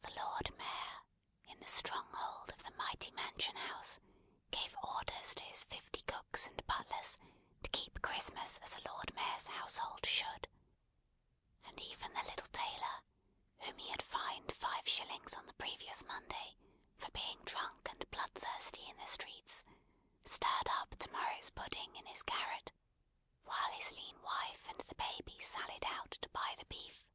The Lord Mayor, in the stronghold of the mighty Mansion House, gave orders to his fifty cooks and butlers to keep Christmas as a Lord Mayor's household should; and even the little tailor, whom he had fined five shillings on the previous Monday for being drunk and bloodthirsty in the streets, stirred up to morrow's pudding in his garret, while his lean wife and the baby sallied out to buy the beef.